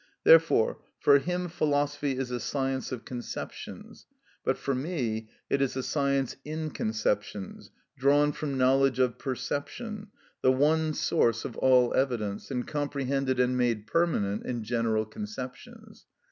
Therefore, for him philosophy is a science of conceptions, but for me it is a science in conceptions, drawn from knowledge of perception, the one source of all evidence, and comprehended and made permanent in general conceptions.